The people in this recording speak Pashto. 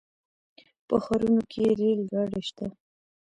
په ښارونو کې ریل ګاډي شته.